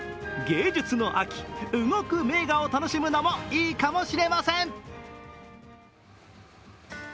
芸術の秋、動く名画を楽しむのもいいかもしれません。